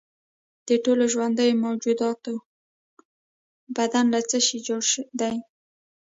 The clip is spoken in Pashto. د ټولو ژوندیو موجوداتو بدن له څه شي جوړ دی